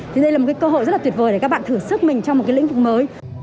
thì đây là một cái cơ hội rất là tuyệt vời để các bạn thử sức mình trong một cái lĩnh vực mới